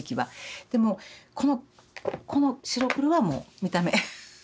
でもこのこの白黒はもう見た目。